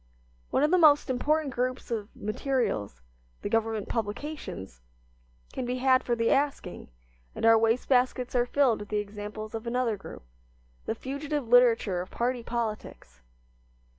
One of the most important groups of materials, the government publications, can be had for the asking; and our waste baskets are filled with the examples of another group, the fugitive literature of party politics.